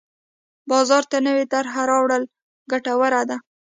بازار ته نوې طرحه راوړل ګټوره ده.